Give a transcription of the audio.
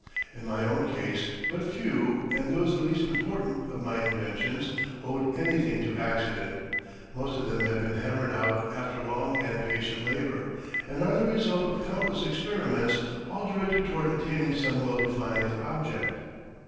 In my own case, but few, and those the least important, of my inventions, owed anything to accident. Most of them have been hammered out after long and patient labor, and are the result of countless experiments all directed toward attaining some well defined object."